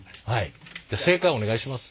じゃ正解お願いします。